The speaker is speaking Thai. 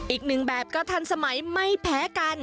อีกหนึ่งแบบก็ทันสมัยไม่แพ้กัน